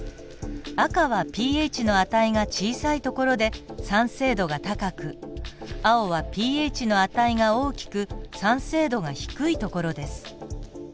赤はｐＨの値が小さい所で酸性度が高く青はｐＨの値が大きく酸性度が低い所です。